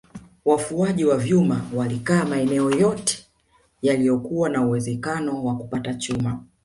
Wafuaji wa vyuma walikaa maeneo yote yaliyokuwa na uwezekano wa kupata chuma